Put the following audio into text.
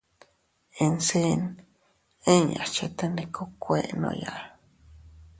Insiin inñas chetendikokuennooya.